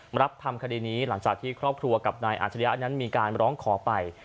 มารับทำคดีนี้หลังจากที่ครอบครัวกับนายอาจริยะนั้นมีการร้องขอไป